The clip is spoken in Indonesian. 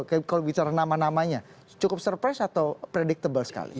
kalau bicara nama namanya cukup surprise atau predictable sekali